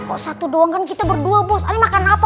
kok satu doang kan kita berdua bos anda makan apa